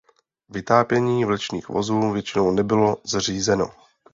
Vytápění vlečných vozů většinou nebylo zřízeno.